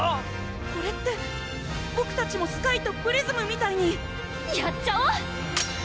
これってボクたちもスカイとプリズムみたいにやっちゃお！